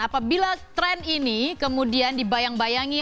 apabila tren ini kemudian dibayang bayangi